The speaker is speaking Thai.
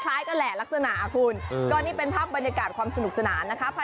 กันแหละลักษณะคุณก็นี่เป็นภาพบรรยากาศความสนุกสนานนะคะ